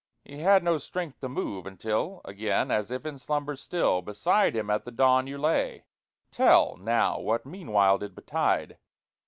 He had no strength to move, until Agen, as if in slumber still, Beside him at the dawne you laye. Tell, nowe, what meanwhile did betide.